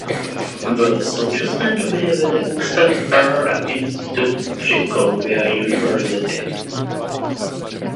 V současné době vede ústav Earth Institute při Columbia University.